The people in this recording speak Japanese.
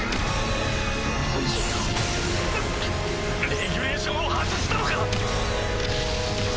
レギュレーションを外したのか！